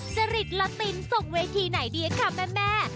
จริตละตินส่งเวทีไหนดีคะแม่